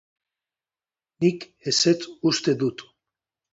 Nik ezetz uste dut.